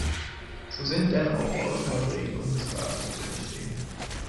So sind denn auch die Ausnahmeregelungen des Rates zu verstehen.